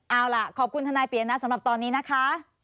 เอาล่ะขอบคุณทนายเปลี่ยนนะสำหรับตอนนี้นะคะ